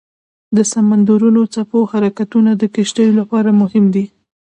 د سمندرونو څپو حرکتونه د کشتیو لپاره مهم دي.